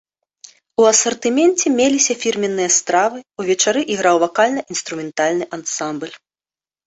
У асартыменце меліся фірменныя стравы, увечары іграў вакальна-інструментальны ансамбль.